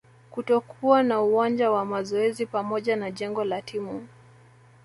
kutokuwa na uwanja wa mazoezi pamoja na jengo la timu